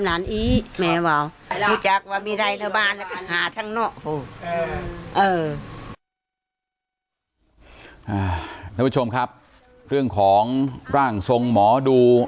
ท่านผู้ชมครับเรื่องของร่างทรงหมอดู